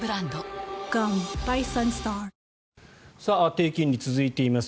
低金利続いています。